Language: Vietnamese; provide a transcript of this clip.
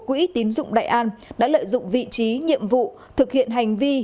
quỹ tín dụng đại an đã lợi dụng vị trí nhiệm vụ thực hiện hành vi